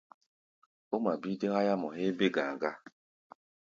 Ó ŋma bíí dé háyámɔ héé bé-ga̧a̧ gá.